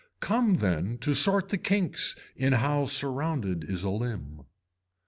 Come then to sort the kinks in how surrounded is a limb.